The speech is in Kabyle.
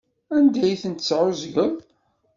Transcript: Anda ay ten-tesɛeẓgeḍ?